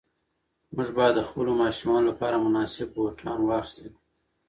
موږ باید د خپلو ماشومانو لپاره مناسب بوټان واخیستل.